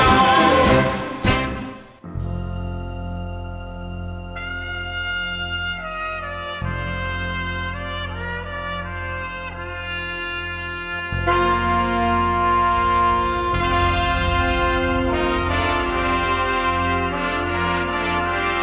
ทุกคนเป็นคนที่ต้องการ